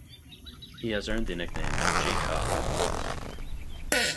He has earned the nickname "G Cobb".